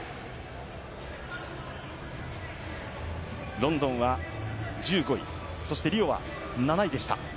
ロンドンは１５位、リオは７位でした。